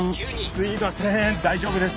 すいません大丈夫です。